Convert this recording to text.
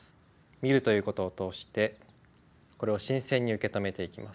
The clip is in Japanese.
見るということを通してこれを新鮮に受け止めていきます。